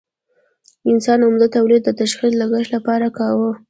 انسانانو عمده تولید د شخصي لګښت لپاره کاوه.